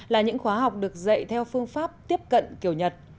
là những khóa học được dạy theo phương pháp tiếp cận kiểu nhật